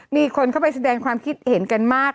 มีคนเข้าไปแสดงความคิดเห็นกันมาก